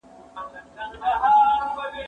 زه اوس سبا ته پلان جوړوم،